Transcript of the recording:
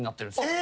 え！